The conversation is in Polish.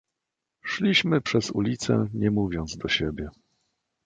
"Szliśmy przez ulicę, nie mówiąc do siebie."